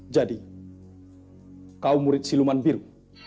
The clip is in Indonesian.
jadi kau murid siluman biru